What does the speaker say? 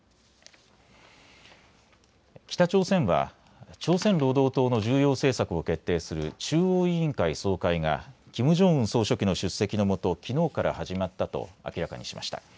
北朝鮮は朝鮮労働党の重要政策を決定する中央委員会総会がキム・ジョンウン総書記の出席のもと、きのうから始まったと明らかにしました。